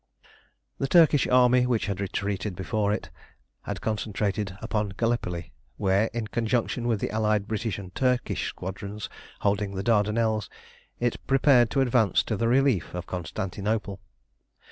The Turkish army, which had retreated before it, had concentrated upon Gallipoli, where, in conjunction with the allied British and Turkish Squadrons holding the Dardanelles, it prepared to advance to the relief of Constantinople.